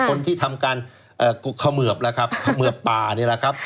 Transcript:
คนที่ทำการกุกเขมือบล่ะครับเขมือบป่านี่แหละครับ